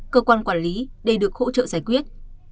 cơ quan quản lý để được hỗ trợ giải quyết